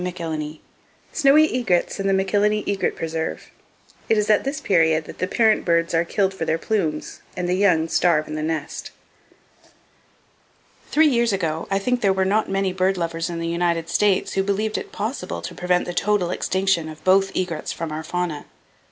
McIlhenny SNOWY EGRETS IN THE McILHENNY EGRET PRESERVE It is at This Period That the Parent Birds are Killed for Their Plumes, and the Young Starve in the Nest [Page 28] Three years ago, I think there were not many bird lovers in the United States, who believed it possible to prevent the total extinction of both egrets from our fauna.